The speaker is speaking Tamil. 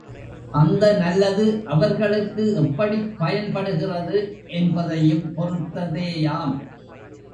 அந்த நல்லது அவர்களுக்கு எப்படிப் பயன்படுகிறது என்பதையும் பொறுத்ததே யாம்.